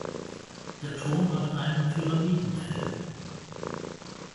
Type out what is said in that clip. Der Turm hat einen Pyramidenhelm.